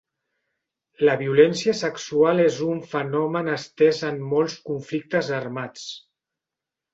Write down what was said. La violència sexual és un fenomen estès en molts conflictes armats.